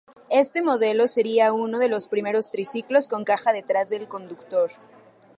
Este modelo sería uno de los primeros triciclos con caja detrás del conductor.